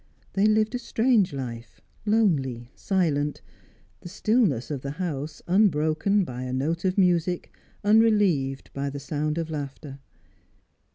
They lived a strange life, lonely, silent; the stillness of the house unbroken by a note of music, unrelieved by a sound of laughter.